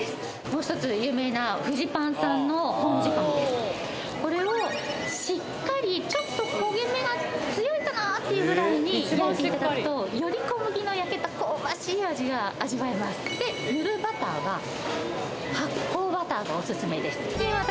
もう一つ有名なこれをしっかりちょっと焦げ目が強いかな？っていうぐらいに焼いていただくとより小麦の焼けた香ばしい味が味わえますで塗るバターは発酵バターがオススメです